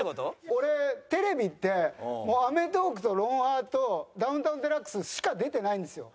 俺テレビってもう『アメトーーク』と『ロンハー』と『ダウンタウンＤＸ』しか出てないんですよ。